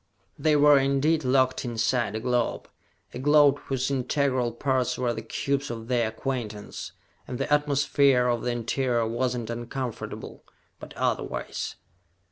They were indeed locked inside a globe, a globe whose integral parts were the cubes of their acquaintance; and the atmosphere of the interior was not uncomfortable, but otherwise.